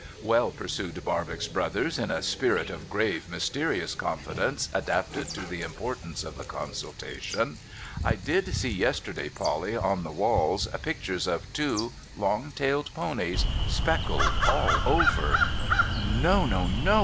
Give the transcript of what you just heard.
' Well,' pursued Barbox Brothers, in a spirit of grave mysterious confidence adapted to the importance of the consultation, ' I did see yesterday, Polly, on the walls, pictures of two long tailed ponies, speckled all over —•—•'' No, no, NO